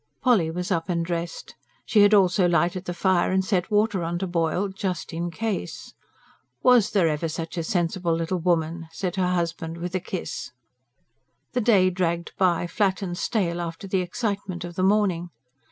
Polly was up and dressed. She had also lighted the fire and set water on to boil, "just in case." "Was there ever such a sensible little woman?" said her husband with a kiss. The day dragged by, flat and stale after the excitement of the morning.